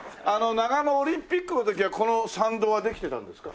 長野オリンピックの時はこの参道はできてたんですか？